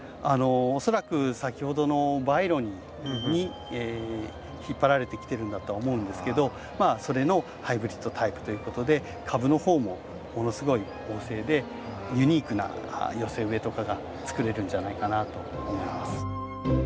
恐らく先ほどのバイロニーに引っ張られてきてるんだとは思うんですけどそれのハイブリッドタイプということで株の方もものすごい旺盛でユニークな寄せ植えとかが作れるんじゃないかなと思います。